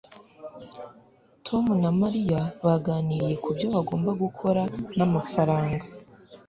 tom na mariya baganiriye kubyo bagomba gukora n'amafaranga